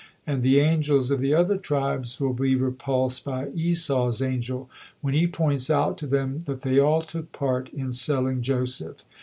And the angels of the other tribes will be repulsed by Esau's angel, when he points out to them that they all took part in selling Joseph.